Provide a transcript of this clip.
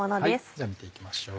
じゃあ見て行きましょう。